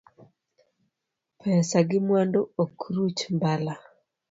Pesa gi mwandu ok ruch mbala.